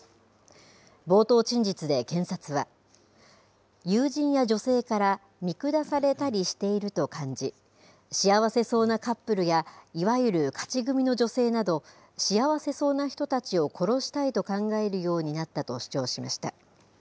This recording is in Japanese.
冒頭陳述で検察は、友人や女性から見下されたりしていると感じ、幸せそうなカップルや、いわゆる勝ち組の女性など、幸せそうな人たちを殺したいと考えるようになったと主張しました。